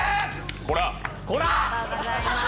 こら！